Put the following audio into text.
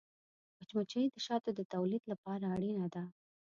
مچمچۍ د شاتو د تولید لپاره اړینه ده